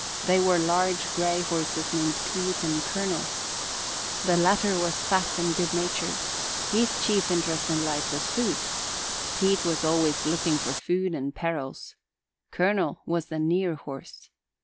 They were large gray horses named Pete and Colonel. The latter was fat and good natured. His chief interest in life was food. Pete was always looking for food and perils. Colonel was the near horse.